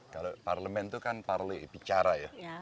kalau parlemen tuh kan parle bicara ya